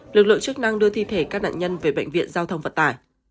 lực lượng chức năng đưa thi thể các nạn nhân về bệnh viện giao thông vận tải